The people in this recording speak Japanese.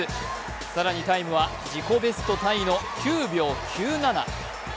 更にタイムは自己ベストタイの９秒９７。